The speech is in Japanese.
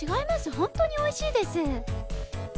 ほんとにおいしいです。